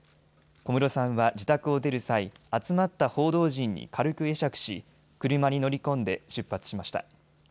小室さんは自宅を出る際、集まった報道陣に軽く会釈し車に乗り込んで出発しました。